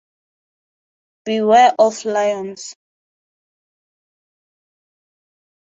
Beware of lions.